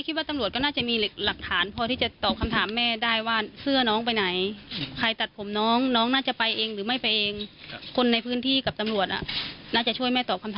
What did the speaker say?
ค้านกับความรู้สึกเราบ้างไหม